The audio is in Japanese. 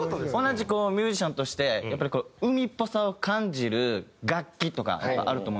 同じミュージシャンとしてやっぱりこう海っぽさを感じる楽器とかあると思うんですよ。